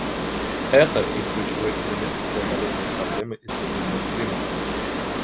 Это и ключевой элемент в преодолении проблемы изменения климата.